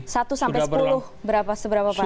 satu sampai sepuluh seberapa parah